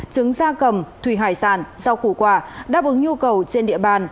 trứng da cầm thủy hải sản rau củ quả đáp ứng nhu cầu trên địa bàn